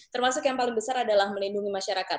termasuk yang paling besar adalah melindungi masyarakat